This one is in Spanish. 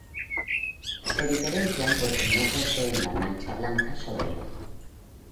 Se diferencian porque no poseen la mancha blanca sobre el ojo.